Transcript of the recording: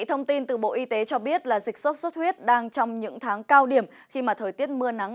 thông tin từ bộ y tế cho biết là dịch sốt xuất huyết đang trong những tháng cao điểm khi mà thời tiết mưa nắng